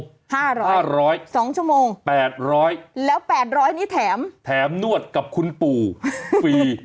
๕๐๐นิตยาสองชั่วโมงแล้ว๘๐๐นิตยาแถมนวดกับคุณปู่ฟรี